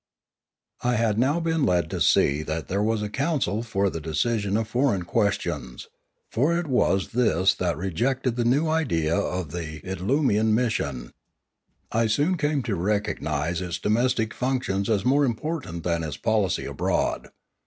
I had now been led to see that there was a council for the decision of foreign questions, for it was this that Polity 5i3 rejected the new idea of the idlumian mission. I soon came to recognise its domestic functions as more im portant than its policy abroad.